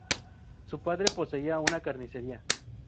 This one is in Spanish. Su padre poseía una carnicería.